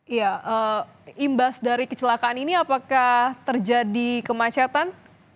iya imbas dari kecelakaan ini apakah terjadi kemacetan